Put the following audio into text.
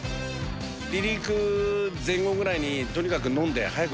離陸前後ぐらいにとにかく飲